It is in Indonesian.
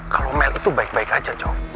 kalau mel itu baik baik aja cowok